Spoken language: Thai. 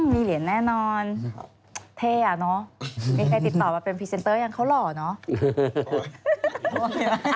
มีเหรียญแน่นอนเท่อ่ะเนอะมีใครติดต่อมาเป็นพรีเซนเตอร์ยังเขาหล่อเนอะ